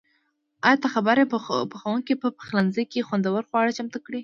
ایا ته خبر یې؟ پخونکي په پخلنځي کې خوندور خواړه چمتو کړي.